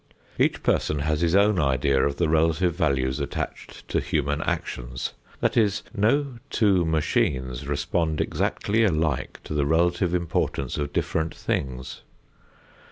Each person has his own idea of the relative values attached to human actions. That is, no two machines respond exactly alike as to the relative importance of different things.